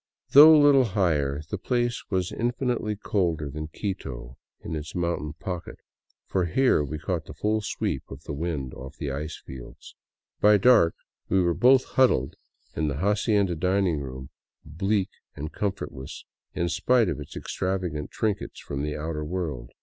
Though little higher, the place was in finitely colder than Quito in its mountain pocket, for here we caught the full sweep of the winds off the ice fields. By dark, we were both huddled in the hacienda dining room, bleak and comfortless in spite of its extravagant trinkets from the outer world.